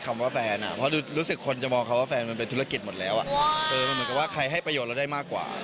มันเหมือนกับว่าใครให้ประโยชน์เราได้มากกว่า